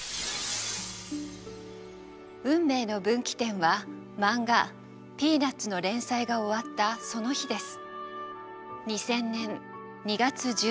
運命の分岐点はマンガ「ピーナッツ」の連載が終わったその日です。